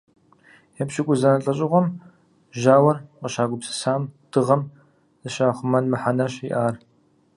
Епщыкӏузанэ лӏэщӏыгъуэм жьауэр къыщагупсысам дыгъэм зыщахъумэн мыхьэнэщ иӏар.